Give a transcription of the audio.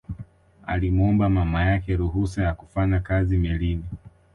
Alimuomba mama yake ruhusa ya kufanya kazi melini